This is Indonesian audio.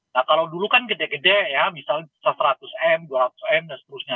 nah kalau dulu kan gede gede ya misalnya bisa seratus m dua ratus m dan seterusnya